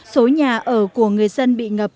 số nhà ở của người dân bị ngập